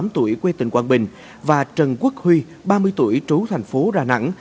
ba mươi tám tuổi quê tình quang bình và trần quốc huy ba mươi tuổi trú thành phố đà nẵng